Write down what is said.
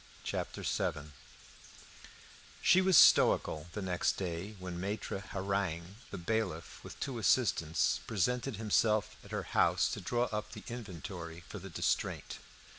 Chapter Seven She was stoical the next day when Maitre Hareng, the bailiff, with two assistants, presented himself at her house to draw up the inventory for the distraint.